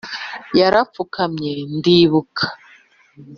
Yarapfukamye ndibuka